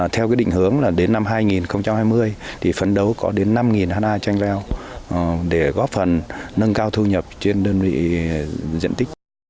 theo định hướng đến năm hai nghìn hai mươi phấn đấu có đến năm ha chanh leo để góp phần nâng cao thu nhập trên đơn vị diện tích